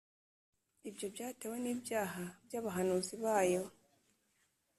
Ibyo byatewe n’ibyaha by’abahanuzi bayo,